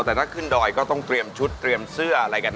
แต่ถ้าขึ้นดอยก็ต้องเตรียมชุดเตรียมเสื้ออะไรกัน